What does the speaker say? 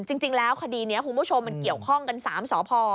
จริงแล้วคดีนี้คุณผู้ชมมันเกี่ยวข้องกัน๓สพ